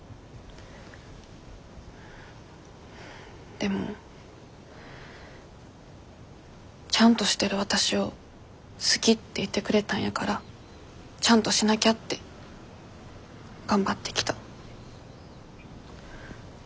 でもちゃんとしてるわたしを好きって言ってくれたんやからちゃんとしなきゃって頑張ってきた。